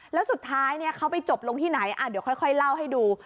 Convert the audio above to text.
แล้วสุดท้ายเขาไปจบลงที่ไหนเดี๋ยวค่อยเล่าให้ดู